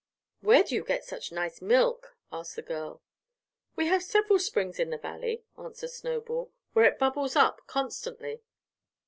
"Where do you get such nice milk?" asked the girl. "We have several springs in the Valley," answered Snowball, "where it bubbles up constantly."